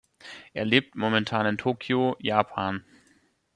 Er lebt momentan in Tokio, Japan.